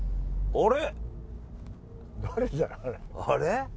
あれ。